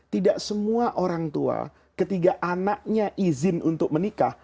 tidak semua orang tua ketika anaknya izin untuk menikah